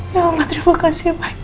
ya mas terima kasih banyak